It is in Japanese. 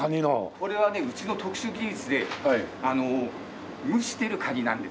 これはねうちの特殊技術で蒸してるカニなんですよ。